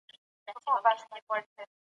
تر ټولو ښه حکومت د حکیمانو دی.